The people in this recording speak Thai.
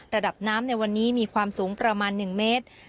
ระดับน้ำในวันนี้มีความสูงประมาณ๑เมตร